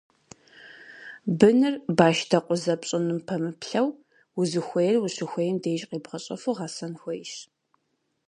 Быныр, башдэкъузэ пщӀыным пэмыплъэу, узыхуейр ущыхуейм деж къебгъэщӀэфу гъэсэн хуейщ.